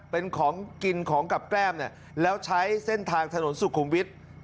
เป็นของกินของกับแก้มเนี่ยแล้วใช้เส้นทางถนนสุขุมวิทย์